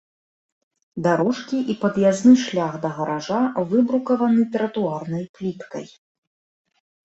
Дарожкі і пад'язны шлях да гаража выбрукаваны тратуарнай пліткай.